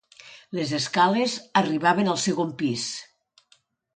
Les escales arribaven al segon pis.